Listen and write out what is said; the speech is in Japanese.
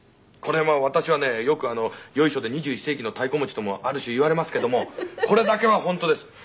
これは私はねよくあのよいしょで２１世紀の太鼓持ちともある種いわれますけどもこれだけは本当です。